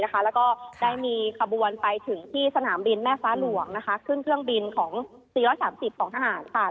แล้วก็ได้มีขบวนไปถึงที่สนามบินแม่ฟ้าหลวงขึ้นเครื่องบินของ๔๓๐ของทหารค่ะ